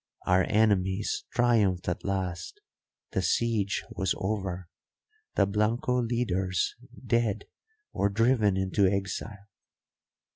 Our enemies triumphed at last; the siege was over, the Blanco leaders dead or driven into exile.